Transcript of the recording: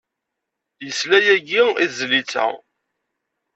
Yesla yagi i tezlit-a.